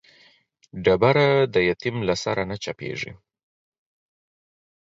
ډبره د يتيم له سره نه چپېږي.